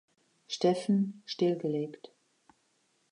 Stephen stillgelegt.